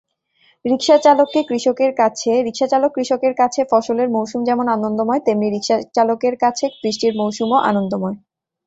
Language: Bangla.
রিকশাচালককৃষকের কাছে ফসলের মৌসুম যেমন আনন্দময়, তেমনি রিকশাচালকের কাছে বৃষ্টির মৌসুমও আনন্দময়।